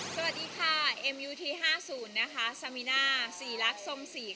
สวัสดีค่ะเอ็มยูทีห้าศูนย์นะคะสามีน่าสี่ลักษมณ์สี่ค่ะ